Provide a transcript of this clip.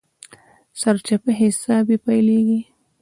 سرچپه حساب يې پيلېږي.